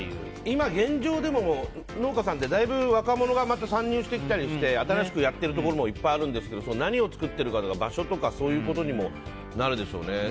今現状でも農家さんはだいぶ若者が参入したりして新しくやってるところもいっぱいあるんですけど何を作ってるかとか、場所とかそういうことにもなるでしょうね。